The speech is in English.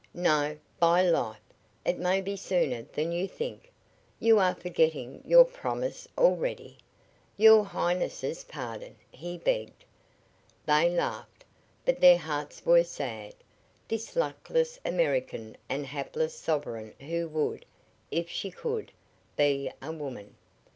"No; by life! It may be sooner than you think!" "You are forgetting your promise already." "Your Highness's pardon," he begged. They laughed, but their hearts were sad, this luckless American and hapless sovereign who would, if she could, be a woman.